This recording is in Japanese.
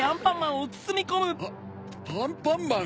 アンパンマン！